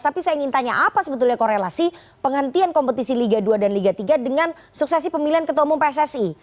tapi saya ingin tanya apa sebetulnya korelasi penghentian kompetisi liga dua dan liga tiga dengan suksesi pemilihan ketua umum pssi